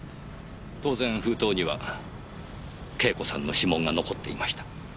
当然封筒には慶子さんの指紋が残っていました。